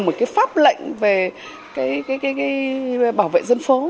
một pháp lệnh về bảo vệ dân phố